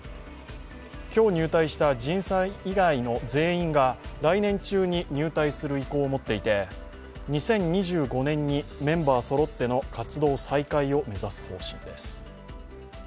今日入隊したＪＩＮさん以外の全員が来年中に入隊する意向を持っていて２０２５年にメンバーそろっての活動再開を目指す方針です。